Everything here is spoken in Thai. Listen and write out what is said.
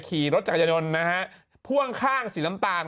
ขี่รถจักรยานยนต์นะฮะพ่วงข้างสีน้ำตาล